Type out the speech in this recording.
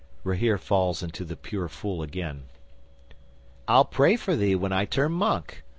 Rahere falls into the pure fool again. "I'll pray for thee when I turn monk.